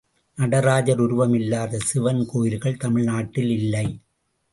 நடராஜர் உருவம் இல்லாத சிவன் கோயில்கள் தமிழ்நாட்டில் இல்லை.